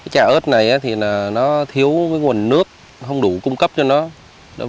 trà ớt này thì nó thiếu nguồn nước không đủ cung cấp cho nó